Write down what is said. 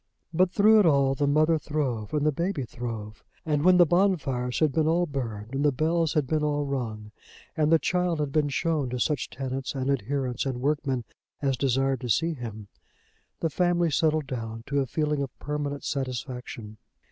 But, through it all, the mother throve and the baby throve; and when the bonfires had been all burned and the bells had been all rung, and the child had been shown to such tenants and adherents and workmen as desired to see him, the family settled down to a feeling of permanent satisfaction.